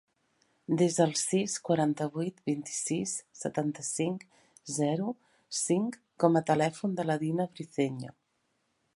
Desa el sis, quaranta-vuit, vint-i-sis, setanta-cinc, zero, cinc com a telèfon de la Dina Briceño.